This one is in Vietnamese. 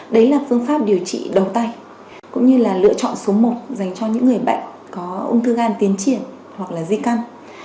đấy là phương pháp điều trị đầu tay cũng như là lựa chọn số một dành cho những người bệnh có ung thư gan tiến triển hoặc là di căn